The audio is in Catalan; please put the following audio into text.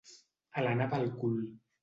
Alenar pel cul.